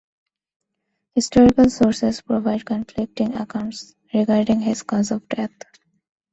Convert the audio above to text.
Historical sources provide conflicting accounts regarding his cause of death.